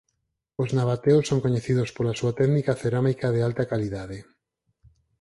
Os nabateos son coñecidos pola súa técnica cerámica de alta calidade.